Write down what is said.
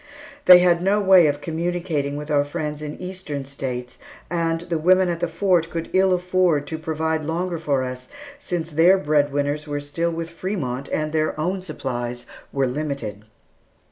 They had no way of communicating with our friends in Eastern States, and the women at the Fort could ill afford to provide longer for us, since their bread winners were still with Frémont, and their own supplies were limited.